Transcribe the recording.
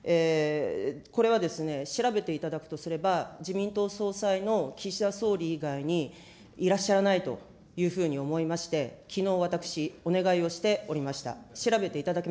これは調べていただくとすれば、自民党総裁の岸田総理以外にいらっしゃらないというふうに思いまして、きのう、私、お願いをしておりました。